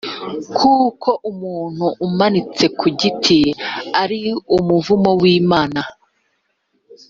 kuko umuntu umanitse ku giti ari umuvumo w’imana.